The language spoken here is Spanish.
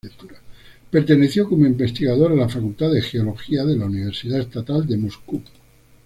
Perteneció como investigador a la "Facultad de Geología", de la Universidad Estatal de Moscú.